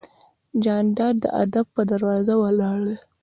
جانداد د ادب په دروازه ولاړ دی.